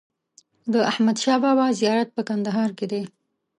د احمد شا بابا زیارت په کندهار کی دی